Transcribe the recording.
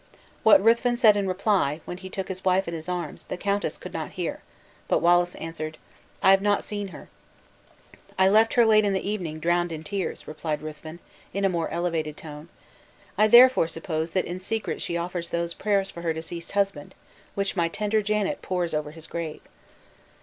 What Ruthven said in reply, when he took his wife in his arms, the countess could not hear; but Wallace answered, "I have not seen her." "I left her late in the evening drowned in tears," replied Ruthven, in a more elevated tone, "I therefore suppose that in secret she offers those prayers for her deceased husband, which my tender Janet pours over his grave."